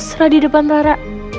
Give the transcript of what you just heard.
serah di depan tara